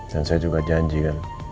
dan saya juga janji kan